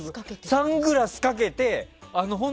サングラスかけてですか？